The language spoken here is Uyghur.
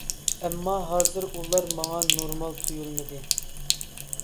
ئەمما ھازىر ئۇلار ماڭا نورمال تۇيۇلمىدى.